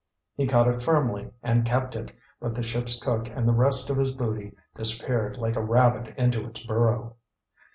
He caught it firmly and kept it, but the ship's cook and the rest of his booty disappeared like a rabbit into its burrow.